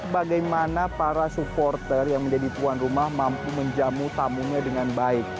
bagaimana para supporter yang menjadi tuan rumah mampu menjamu tamunya dengan baik